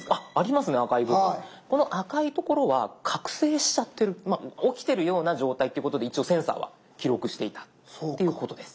この赤い所は覚醒しちゃってる起きてるような状態っていうことで一応センサーは記録していたっていうことです。